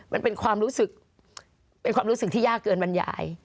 มันเป็นความรู้สึกเป็นความรู้สึกที่ยากเกินบรรยาย